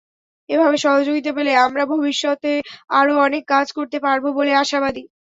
এভাবে সহযোগিতা পেলে আমরা ভবিষ্যতে আরও অনেক কাজ করতে পারব বলে আশাবাদী।